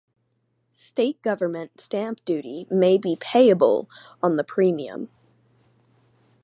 State government stamp duty may be payable on the premium.